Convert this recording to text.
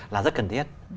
là rất cần thiết